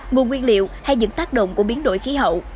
nguồn nguyên liệu hay những tác động của biến đổi khí hậu